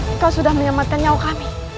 engkau sudah menyelamatkan nyawa kami